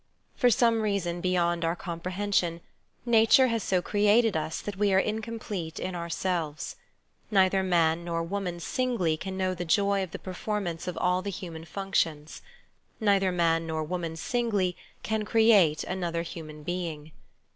For some reason beyond our comprehension, nature has so created us that we are incomplete in ourselves; neither man nor woman singly can know the joy of the performance of all the human functions; neither man nor woman singly can create another human being.